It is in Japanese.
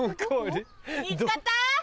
見つかった？